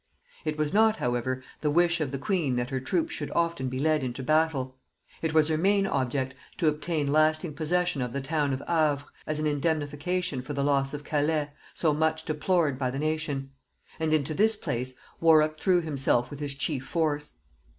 It was not however the wish of the queen that her troops should often be led into battle. It was her main object to obtain lasting possession of the town of Havre, as an indemnification for the loss of Calais, so much deplored by the nation; and into this place Warwick threw himself with his chief force.